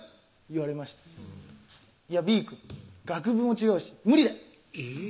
言われました「Ｂくん」「学部も違うし無理だよ」